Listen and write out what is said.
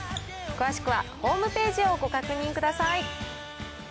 詳しくは、ホームページをご確認ください。